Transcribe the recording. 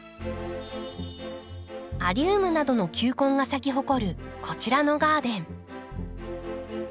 アリウムなどの球根が咲き誇るこちらのガーデン。